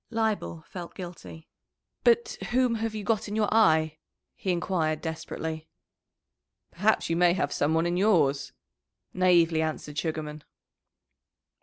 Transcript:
Leibel felt guilty. "But whom have you got in your eye?" he enquired desperately. "Perhaps you may have some one in yours!" naïvely answered Sugarman.